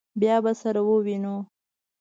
بیا به سره ووینو.